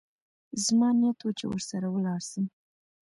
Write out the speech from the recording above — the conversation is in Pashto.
زما نيت و چې ورسره ولاړ سم.